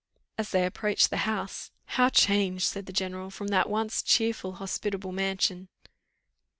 As they approached the house "How changed," said the general, "from that once cheerful hospitable mansion!"